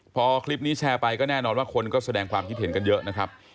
พอคลิปนี้แชร์ไปก็แน่นอนว่าคนก็แสดงความคิดเห็นกันเยอะนะครับ